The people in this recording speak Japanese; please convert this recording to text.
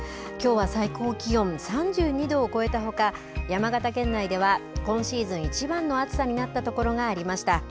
きょうは最高気温３２度を超えたほか山形県内では今シーズン一番の暑さになったところがありました。